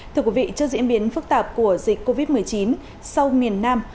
thưa quý vị trước diễn biến phức tạp của dịch covid một mươi chín sau miền nam